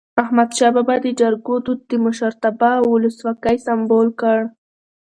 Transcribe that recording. احمد شاه بابا د جرګو دود د مشرتابه او ولسواکی سمبول کړ.